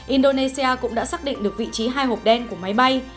indonesia cũng đã xác định được vị trí hai hộp đen của máy bay